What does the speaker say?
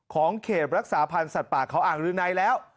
ของเขตรักษาพันธุ์สัตว์ป่าเขาอ่างหรือไหนแล้ว